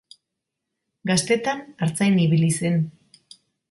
Gaztetan artzain ibili zen.